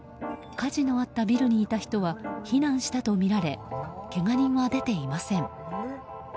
火事のあったビルにいた人は避難したとみられけが人は出ていません。